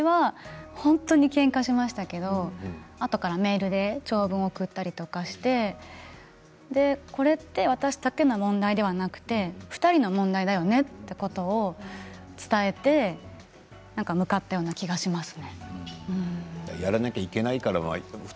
私は本当にけんかをしましたけれど、あとからメールで長文を送ったりしてこれは私だけの問題ではなく２人の問題だよねということを伝えて向かったような気がします。